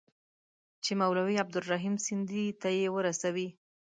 چي مولوي عبدالرحیم سندي ته یې ورسوي.